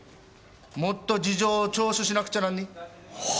もっと事情聴取しなくちゃなんねぇ。